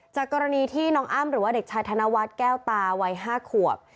จากกรณีที่น้องอ้ำหรือว่าเด็กชายธนวัฒน์แก้วตาวัย๕ขวบ